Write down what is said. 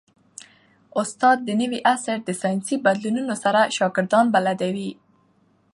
استاد د نوي عصر د ساینسي بدلونونو سره شاګردان بلدوي.